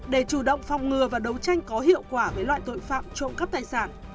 để chủ động phòng ngừa và đấu tranh có hiệu quả với loại tội phạm trộm cắp tài sản